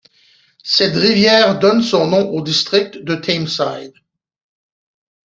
Cette rivière donne son nom au district de Tameside.